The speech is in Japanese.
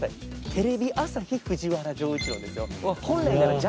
「テレビ朝日藤原丈一郎」ですよ。